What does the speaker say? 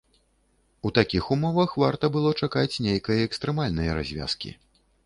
У такіх умовах варта было чакаць нейкай экстрэмальнай развязкі.